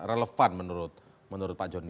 relevan menurut pak joni